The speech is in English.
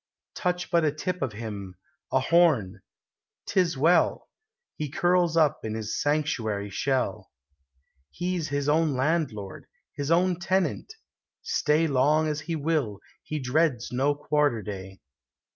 Touch but a tip of him, a horn, — 't is well, — He curls up in his sanctuary shell. He 's his own landlord, his own tenant ; stay Long as he will, he dreads no Quarter Day.